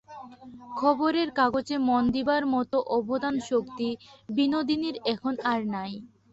খবরের কাগজে মন দিবার মতো অবধানশক্তি বিনোদিনীর এখন আর নাই।